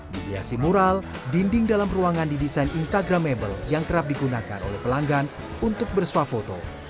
dihiasi mural dinding dalam ruangan didesain instagramable yang kerap digunakan oleh pelanggan untuk bersuah foto